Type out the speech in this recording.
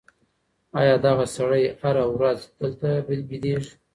آیا دغه سړی هره ورځ دلته بېدېږي؟